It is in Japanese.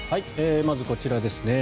まずこちらですね。